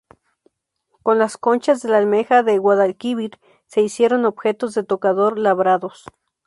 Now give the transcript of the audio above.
Con las conchas de la almeja del Guadalquivir se hicieron objetos de tocador labrados.